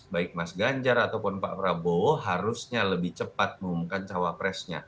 baik mas ganjar ataupun pak prabowo harusnya lebih cepat mengumumkan cawapresnya